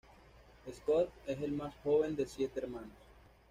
Scott es el más joven de siete hermanos.